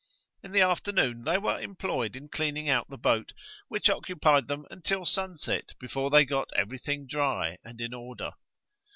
In the afternoon they were employed in cleaning out the boat, which occupied them until sunset before they got every thing dry and in order.